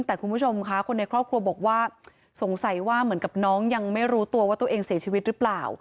แต่คุณผู้ชมค่ะคนในครอบครัวบอกว่าสงสัยว่าเหมือนกับน้องยังไม่รู้ตัวว่าตัวเองเสียชีวิตหรือเปล่า